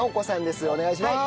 お願いします。